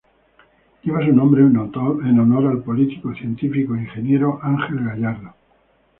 Lleva su nombre en honor al político, científico e ingeniero Ángel Gallardo.